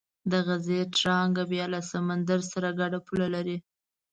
د غزې تړانګه بیا له سمندر سره ګډه پوله لري.